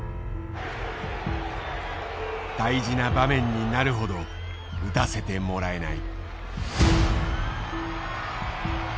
大事な場面になるほど打たせてもらえない。